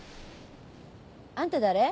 あんた誰？